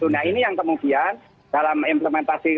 nah ini yang kemudian dalam implementasi